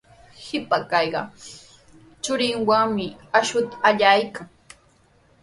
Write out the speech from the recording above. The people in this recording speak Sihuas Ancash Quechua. Qipa kaq churinwanmi akshuta allaykan.